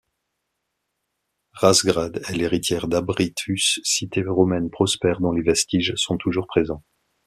Razgrad est l'héritière d'Abritus, cité romaine prospère, dont les vestiges sont toujours présents.